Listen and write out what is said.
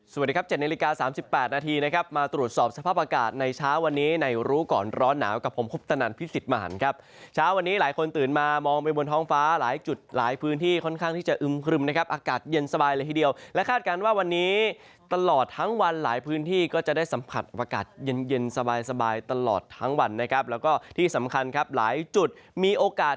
สวัสดีครับ๗นาฬิกา๓๘นาทีนะครับมาตรวจสอบสภาพอากาศในเช้าวันนี้ในรู้ก่อนร้อนหนาวกับผมคบตนันพี่สิทธิ์มาหันครับเช้าวันนี้หลายคนตื่นมามองไปบนท้องฟ้าหลายจุดหลายพื้นที่ค่อนข้างที่จะอึมคลึมนะครับอากาศเย็นสบายเลยทีเดียวและคาดการณ์ว่าวันนี้ตลอดทั้งวันหลายพื้นที่ก็จะได้สัมผัส